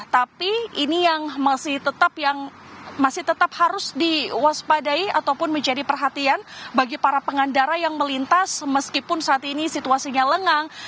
tapi ini yang masih tetap harus diwaspadai ataupun menjadi perhatian bagi para pengendara yang melintas meskipun saat ini situasinya lengang